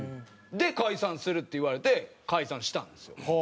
で「解散する」って言われて解散したんですよ。